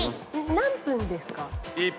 何分ですか？